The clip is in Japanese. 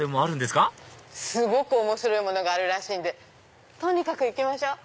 すごく面白いものがあるらしいんでとにかく行きましょう。